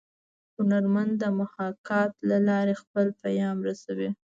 هنرمن د محاکات له لارې خپل پیام رسوي